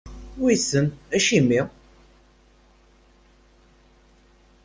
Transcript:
Wissen acimi?